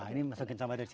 ini masukin sampah dari sini